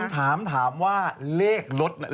ถามคำว่าเลขอาหร่าย